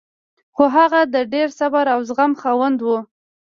خو هغه د ډېر صبر او زغم خاوند و